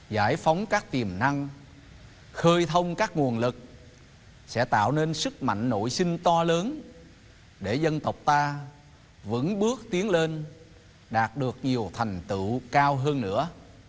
giải phóng các tiềm năng khơi thông các nguồn lực sẽ tạo nên sức mạnh nội sinh to lớn để dân tộc ta vẫn bước tiến lên đạt được nhiều thành tựu cao hơn nữa